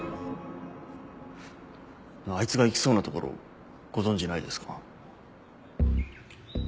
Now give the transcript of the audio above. あいつが行きそうな所ご存じないですか？